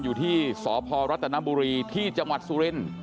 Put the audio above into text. อยู่ที่สพรัฐนบุรีที่จังหวัดสุรินทร์